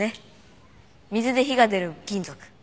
水で火が出る金属。